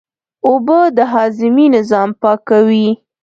اوبه د هاضمې نظام پاکوي